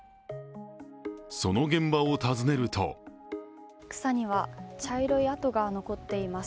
その現場を訪ねると草には茶色い跡が残っています。